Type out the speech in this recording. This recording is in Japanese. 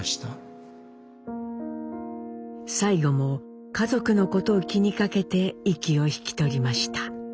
最期も家族のことを気にかけて息を引き取りました。